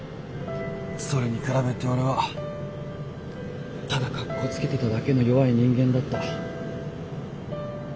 それに比べて俺はただかっこつけてただけの弱い人間だった。